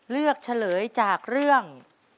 เลือกเฉลยจากเรื่อง